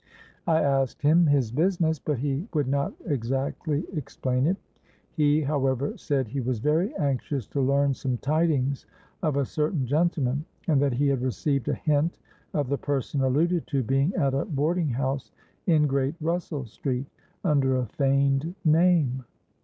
I asked him his business; but he would not exactly explain it. He however said he was very anxious to learn some tidings of a certain gentleman, and that he had received a hint of the person alluded to being at a boarding house in Great Russell Street, under a feigned name.